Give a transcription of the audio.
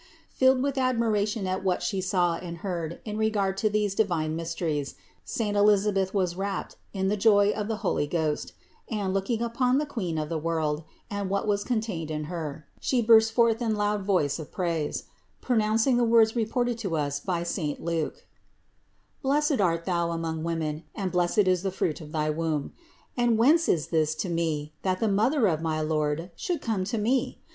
220. Filled with admiration at what She saw and heard in regard to these divine mysteries, saint Elisa beth was wrapt in the joy of the Holy Ghost; and, looking upon the Queen of the world and what was 178 CITY OF GOD contained in Her, she burst forth in loud voice of praise, pronouncing the words reported to us by saint L,uke : "Blessed are Thou among women and blessed is the fruit of thy womb. And whence is this to me, that the Mother of my Lord should come to me?